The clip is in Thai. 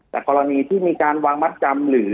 แต่กรณีที่มีการวางมัดจำหรือ